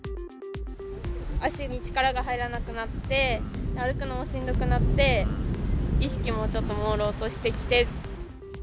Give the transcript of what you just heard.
足に力が入らなくなって、歩くのもしんどくなって、意識もちょっともうろうとしてきて。